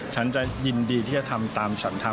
ผมจะยินดีที่จะทำตามฉันธรรมตี